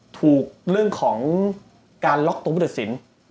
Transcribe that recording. ถูกเรื่องของการล็อกตัวผู้ตัดสิน